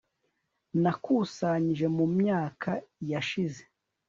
Nakusanyije mu myaka yashize